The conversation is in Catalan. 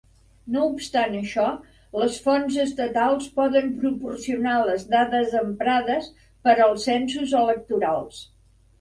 No obstant això, les fonts estatals poden proporcionar les dades emprades per als censos electorals.